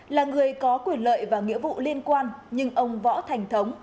là người có quyền lợi và nghĩa vụ liên quan nhưng ông võ thành thống